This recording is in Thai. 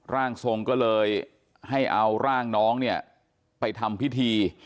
ร่างทรงก็เลยให้เอาร่างน้องเนี่ยไปทำพิธี